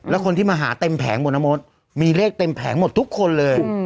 แล้วคนที่มาหาเต็มแผงหมดนะมดมีเลขเต็มแผงหมดทุกคนเลย